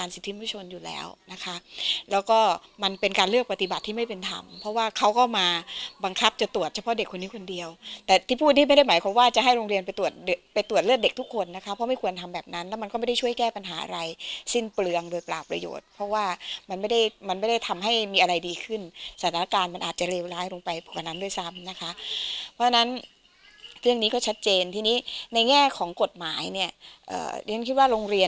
สิทธิผู้ชนอยู่แล้วนะคะแล้วก็มันเป็นการเลือกปฏิบัติที่ไม่เป็นธรรมเพราะว่าเขาก็มาบังคับจะตรวจเฉพาะเด็กคนนี้คนเดียวแต่ที่พูดที่ไม่ได้หมายความว่าจะให้โรงเรียนไปตรวจไปตรวจเลือดเด็กทุกคนนะคะเพราะไม่ควรทำแบบนั้นแล้วมันก็ไม่ได้ช่วยแก้ปัญหาอะไรสิ้นเปลืองโดยประโยชน์เพราะว่ามันไม่ได้มันไม่